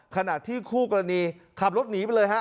ขณะที่คู่กรณีขับรถหนีไปเลยฮะ